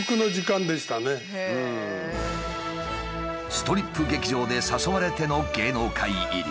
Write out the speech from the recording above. ストリップ劇場で誘われての芸能界入り。